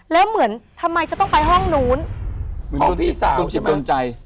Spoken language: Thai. แล้วเหมือนทำไมจะต้องไปห้องนู้นห้องพี่สาวดูสิโดนใจ